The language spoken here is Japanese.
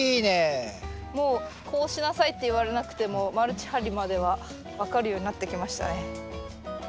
もうこうしなさいって言われなくてもマルチ張りまでは分かるようになってきましたね。